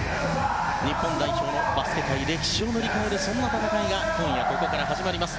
日本代表のバスケ界歴史を塗り替えるそんな戦いが今夜、ここから始まります。